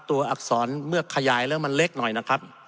อักษรเมื่อขยายแล้วมันเล็กหน่อยนะครับ